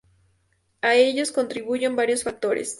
A ello contribuyen varios factores.